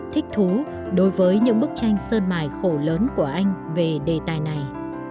thích thú đối với những bức tranh sơn mài khổ lớn của anh về đề tài này